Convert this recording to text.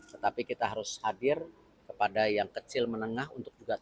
tetapi kita harus hadir kepada yang kecil menengah untuk juga